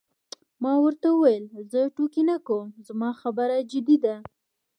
ما ورته وویل: زه ټوکې نه کوم، زما خبره جدي ده.